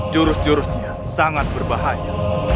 jurus jurusnya sangat berbahaya